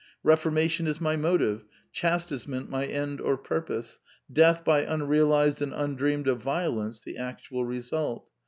Reformation is my motive, chastisement my end or purpose, death by unrealized and undreamed of violence, the actual result.